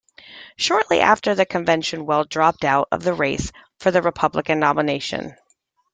Shortly after the convention Weld dropped out of the race for the Republican nomination.